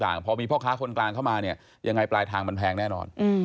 พอมีพ่อค้าคนกลางเข้ามาเนี่ยยังไงปลายทางมันแพงแน่นอน